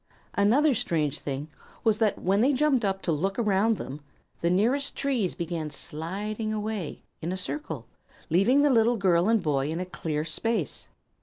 Another strange thing was that when they jumped up to look around them the nearest trees began sliding away, in a circle, leaving the little girl and boy in a clear space.